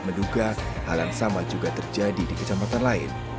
menduga hal yang sama juga terjadi di kecamatan lain